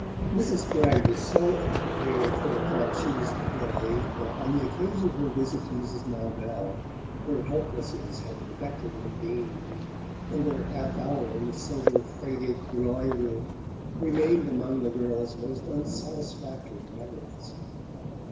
Mrs. Spragg was so unprepared for the part she was to play that on the occasion of her visit to Mrs. Marvell her helplessness had infected Undine, and their half hour in the sober faded drawing room remained among the girl's most unsatisfactory memories.